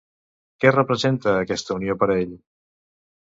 Què representa aquesta unió per a ell?